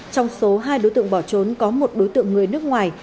trong số hai đối tượng bỏ trốn có một đối tượng người nước ngoài